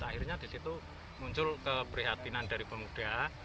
akhirnya disitu muncul keperhatian dari pemuda